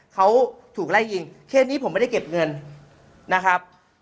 เขาถูกไล่ยิงเคสนี้ผมไม่ได้เก็บเงินนะครับ